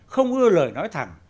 không ưa lời nói thẳng